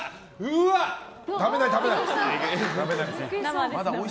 食べない食べない！